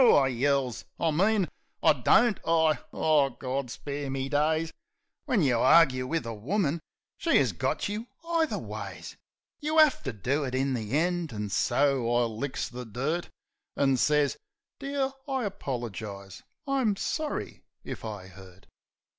I yells. "I mean I don't I ..." Oh, Gaw spare me days ! When you argue wiv a woman she 'as got you either ways ! You 'a<ue to do it in the end; an' so I licks the dirt, An' sez, "Dear, I apolergise. I'm sorry if I 'urt."